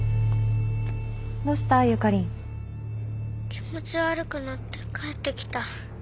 気持ち悪くなって帰ってきた。